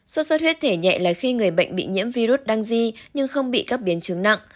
suốt suốt huyết thể nhẹ là khi người bệnh bị nhiễm virus đăng di nhưng không bị các biến chứng nặng